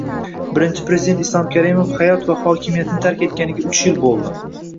Birinchi Prezident Islom Karimov hayot va hokimiyatni tark etganiga uch yil bo'ldi